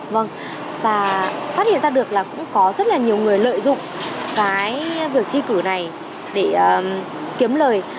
vâng và phát hiện ra được là cũng có rất là nhiều người lợi dụng cái việc thi cử này để kiếm lời